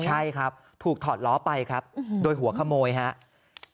ใช่ครับถูกถอดล้อไปครับโดยหัวขโมยครับ